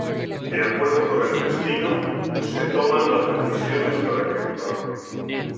De acuerdo con el destino, se toman las decisiones para ejecutarlo.